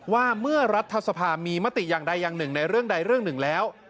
ว่าเมื่อรัฐสภามีมติอย่างใดอย่างหนึ่งในเรื่องใดเรื่องหนึ่งแล้ว